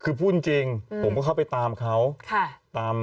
คือพูดจริงผมก็เข้าไปตามเขาตาม